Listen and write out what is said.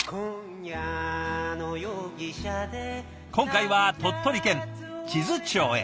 今回は鳥取県智頭町へ。